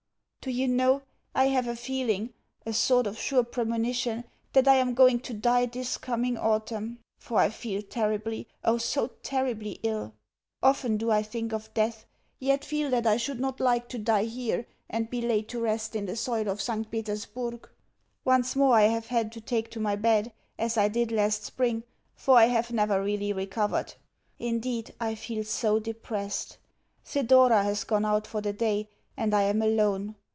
Do you know, I have a feeling, a sort of sure premonition, that I am going to die this coming autumn; for I feel terribly, oh so terribly ill! Often do I think of death, yet feel that I should not like to die here and be laid to rest in the soil of St. Petersburg. Once more I have had to take to my bed, as I did last spring, for I have never really recovered. Indeed I feel so depressed! Thedora has gone out for the day, and I am alone.